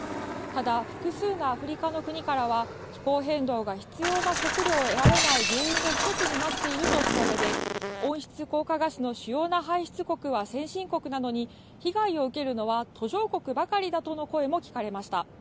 ただ、複数のアフリカの国からは、気候変動が必要な食料を得られない原因の一つになっているとしたうえで、温室効果ガスの主要な排出国は先進国なのに、被害を受けるのは途上国ばかりだとの声も聞かれました。